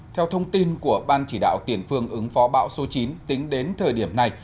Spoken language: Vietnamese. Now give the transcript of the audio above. theo thông tin của ban chỉ đạo tiền phương ứng phó bão số chín tính đến thời điểm này